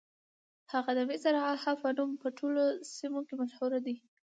هغه د مصرعها په نوم په ټولو سیمو کې مشهورې دي.